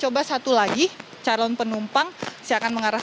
kiin manifestasi halanya akan kerajaan warriors